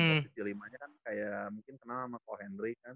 posisi limanya kan kayak mungkin kenal sama koko hendrik kan